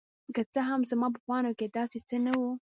که څه هم زما په پاڼو کې داسې څه نه وو.